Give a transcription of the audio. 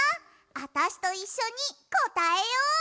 あたしといっしょにこたえよう！